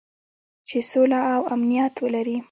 چې سوله او امنیت ولري.